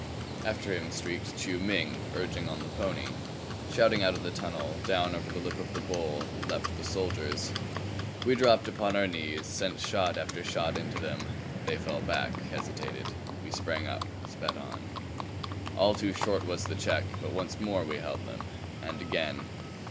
After him streaked Chiu Ming, urging on the pony. Shouting out of the tunnel, down over the lip of the bowl, leaped the soldiers. We dropped upon our knees, sent shot after shot into them. They fell back, hesitated. We sprang up, sped on. All too short was the check, but once more we held them and again.